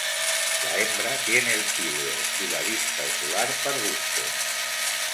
La hembra tiene el píleo y la lista ocular parduzcos.